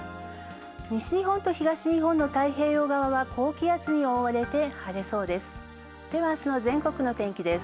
西日本と東日本の太平洋側は高気圧に覆われて、晴れそうです。